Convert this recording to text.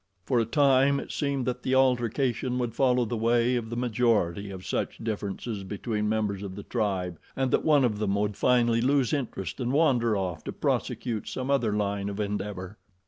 For a time it seemed that the altercation would follow the way of the majority of such differences between members of the tribe and that one of them would finally lose interest and wander off to prosecute some other line of endeavor.